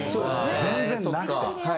全然なくて。